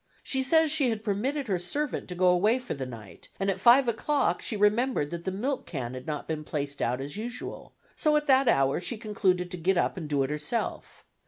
She says she had permitted her servant to go away for the night, and at five o'clock she remembered that the milkcan had not been placed out as usual, so at that hour she concluded to get up and do it herself.